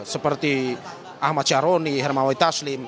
seperti ahmad syahroni hermawet taslim